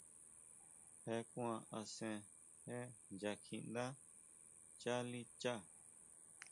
Je kuan asén je nya kjiʼndá chalicha.